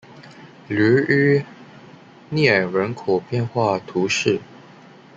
吕伊涅人口变化图示